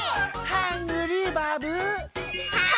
ハングリーバブ。